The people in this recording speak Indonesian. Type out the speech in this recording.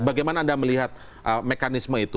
bagaimana anda melihat mekanisme itu